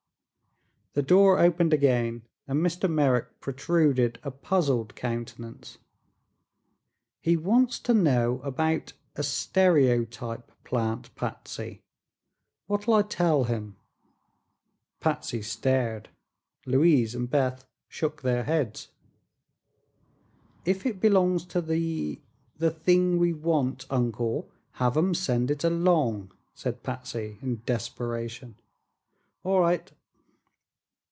The door opened again and Mr. Merrick protruded a puzzled countenance. "He wants to know about a stereotype plant, Patsy. What'll I tell him?" Patsy stared. Louise and Beth shook their heads. "If it belongs to the the thing we want, Uncle, have 'em send it along," said Patsy in desperation. "All right."